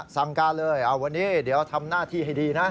สั่งการเลยวันนี้เดี๋ยวทำหน้าที่ให้ดีนะ